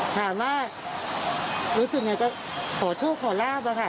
ถามว่ารู้สึกอย่างไรก็ขอโทษขอลาบค่ะ